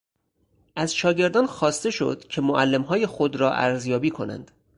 از شاگردان خواسته شد که معلمهای خود را ارزیابی کنند.